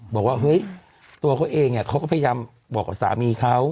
บอกว่าเฮ้ยตัวเขาเองเขาก็พยายามบอกกับสามีเขา